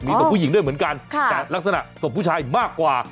ศพผู้หญิงด้วยเหมือนกันแต่ลักษณะศพผู้ชายมากกว่า